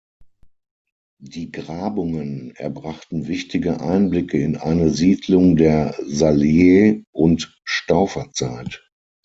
Die Grabungen erbrachten wichtige Einblicke in eine Siedlung der Salier- und Stauferzeit.